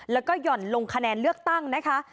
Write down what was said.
แล้วก็หย่อนลงคะแนนเลือกตั้งนะคะ